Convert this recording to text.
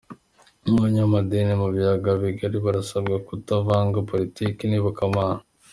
Abanyamadini mu biyaga bigari barasabwa kutavanga Politiki n’iyobokamana